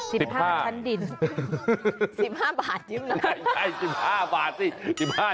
๑๖ชั้นฟ้า๑๕ชั้นดิน๑๕บาทจริงหรอ